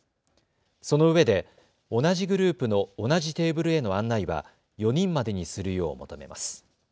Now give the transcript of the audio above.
そのうえで同じグループの同じテーブルへの案内は４人までにするよう求めます。